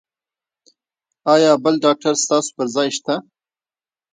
ایا بل ډاکټر ستاسو پر ځای شته؟